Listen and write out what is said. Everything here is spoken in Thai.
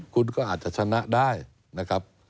คุณก็อาจจะชนะได้นะครับ